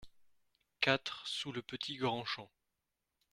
quatre sous Le Petit Grand Champ